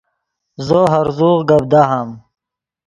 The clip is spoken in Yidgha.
زو ہرزوغ گپ دہام